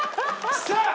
さあ！